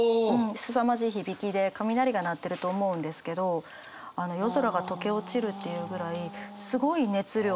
すさまじい響きで雷が鳴ってると思うんですけど夜空が溶け落ちるっていうぐらいすごい熱量の。